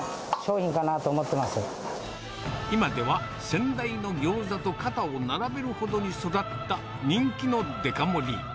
先代の餃子と肩を並べるほどに育った人気のデカ盛り。